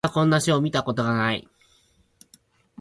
私はこんな詩を見たことがない